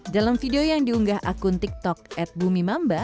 dalam video yang diunggah akun tiktok at bumi mamba